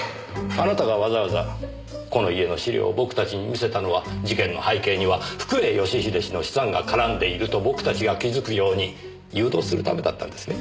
あなたがわざわざこの家の資料を僕たちに見せたのは事件の背景には福栄義英氏の資産が絡んでいると僕たちが気づくように誘導するためだったんですね？